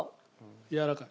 やわらかい？